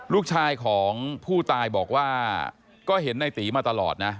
ลูกชายของผู้ตายบอกว่าก็เห็นในตีมาตลอดนะ